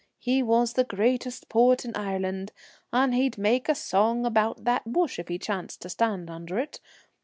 He was the greatest poet in Ireland, and he'd make a song about that bush if he chanced to stand under it.